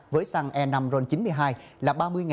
với xăng e năm roll chín mươi hai